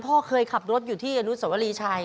พ่อเคยขับรถอยู่ที่อนุสวรีชัย